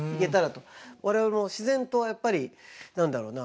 我々も自然とやっぱり何だろうな？